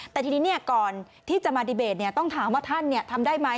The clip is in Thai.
แต่ทีนี้เนี่ยก่อนที่จะมาดีเบตเนี่ยต้องถามว่าท่านเนี่ยทำได้ไหม